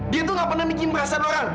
dia tuh gak pernah bikin perasaan orang